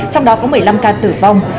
trong đó có một mươi năm ca tử vong